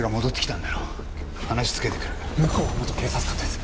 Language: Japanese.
向こうは元警察官です。